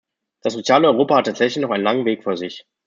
Das soziale Europa hat tatsächlich noch einen langen Weg vor sich.